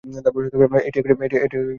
এটি একটি ক্রেওল ভাষা।